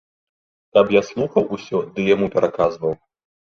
Каб я слухаў усё ды яму пераказваў.